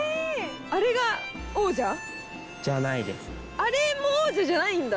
あれも王者じゃないんだ。